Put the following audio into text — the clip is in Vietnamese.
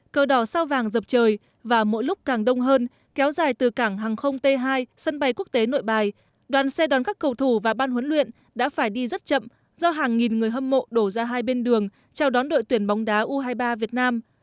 cờ đỏ sao vàng dập trời và mỗi lúc càng đông hơn kéo dài từ cảng hàng không t hai sân bay quốc tế nội bài đoàn xe đón các cầu thủ và ban huấn luyện đã phải đi rất chậm do hàng nghìn người hâm mộ đổ ra hai bên đường chào đón đội tuyển bóng đá u hai mươi ba việt nam